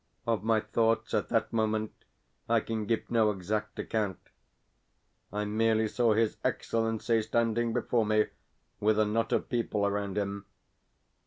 Of my thoughts at that moment I can give no exact account. I merely saw his Excellency standing before me, with a knot of people around him.